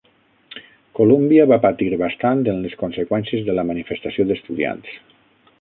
Columbia va patir bastant en les conseqüències de la manifestació d'estudiants.